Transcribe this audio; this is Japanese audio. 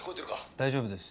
大丈夫です。